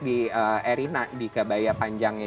di erina di kebaya panjangnya